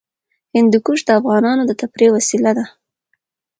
هندوکش د افغانانو د تفریح وسیله ده.